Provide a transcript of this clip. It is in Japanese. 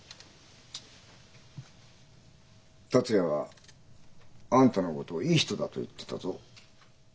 達也はあんたのことをいい人だと言ってたぞ。